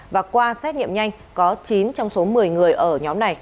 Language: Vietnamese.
và qua xét nghiệm nhanh có chín trong số một mươi người ở nhóm này